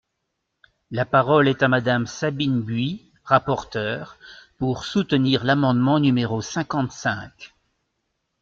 La parole est à Madame Sabine Buis, rapporteure, pour soutenir l’amendement numéro cinquante-cinq.